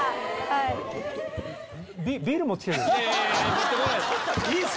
持ってこないです。